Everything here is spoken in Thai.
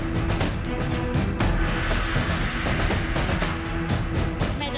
สวัสดีครับ